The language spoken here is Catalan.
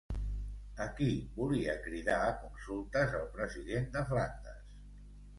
A qui volia cridar a consultes el president de Flandes?